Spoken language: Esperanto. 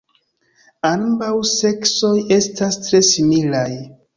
Ambaŭ seksoj estas tre similaj.